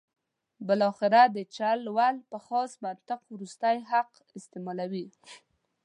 بالاخره د چل ول یو خاص منطق وروستی حق استعمالوي.